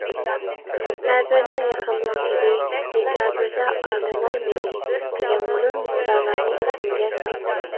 «سېنتەبىرنىڭ يېقىملىق ھىدى، دېكابىردا ئايلىنار مېنى» دېگەن مۇنۇ مىسرالارنى ئېسىمگە سالدى.